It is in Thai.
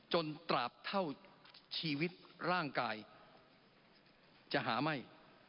ตราบเท่าชีวิตร่างกายจะหาไม่